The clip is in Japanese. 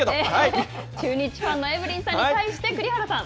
中日ファンのエブリンさんに対して、栗原さん。